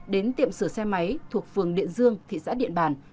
đến tiệm sửa xe máy thuộc phường điện dương tp điện bàn